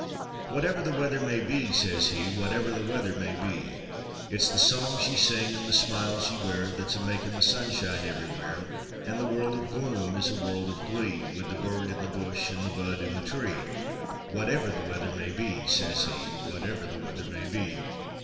"Whatever the weather may be," says he "Whatever the weather may be, Its the songs ye sing, an' the smiles ye wear That's a makin' the sunshine everywhere; An' the world of gloom is a world of glee, Wid the bird in the bush, an' the bud in the tree, Whatever the weather may be," says he "Whatever the weather may be!"